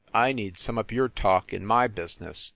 I need some of your talk in my business!"